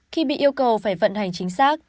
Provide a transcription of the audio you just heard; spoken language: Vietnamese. khi bị yêu cầu phải vận hành chính xác